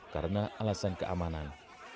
karena alasan keamanan